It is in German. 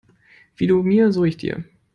Wie du mir, so ich dir.